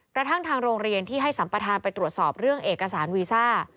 ทางโรงเรียนที่ให้สัมประธานไปตรวจสอบเรื่องเอกสารวีซ่า